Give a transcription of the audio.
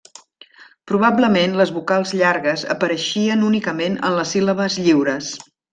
Probablement, les vocals llargues apareixien únicament en les síl·labes lliures.